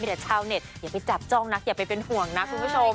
แต่ชาวเน็ตอย่าไปจับจ้องนักอย่าไปเป็นห่วงนะคุณผู้ชม